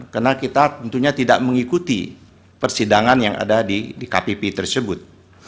karena kita tentunya tidak mengikuti persidangan yang ada di kpp tersebut